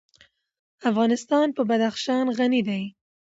افغانستان په بدخشان غني دی.